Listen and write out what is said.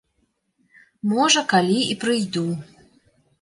Можа, калі і прыйду.